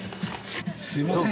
すいません。